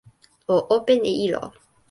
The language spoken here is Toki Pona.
o open e ilo.